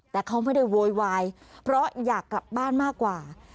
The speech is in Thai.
แต่เขาไม่ได้โวยวายเพราะอยากกลับบ้านมากกว่า